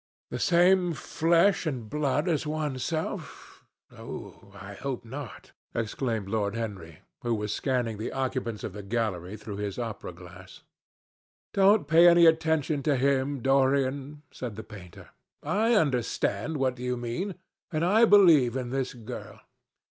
"The same flesh and blood as one's self! Oh, I hope not!" exclaimed Lord Henry, who was scanning the occupants of the gallery through his opera glass. "Don't pay any attention to him, Dorian," said the painter. "I understand what you mean, and I believe in this girl.